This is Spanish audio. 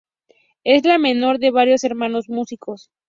Es la menor de varios hermanos músicos.